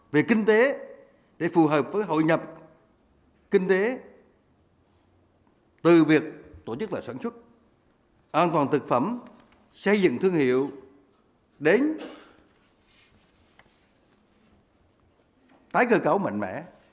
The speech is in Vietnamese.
về kinh tế để phù hợp với hội nhập kinh tế từ việc tổ chức lại sản xuất an toàn thực phẩm xây dựng thương hiệu đến tái cơ cấu mạnh mẽ